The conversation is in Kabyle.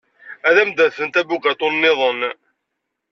Ad am-d-afent abugaṭu niḍen.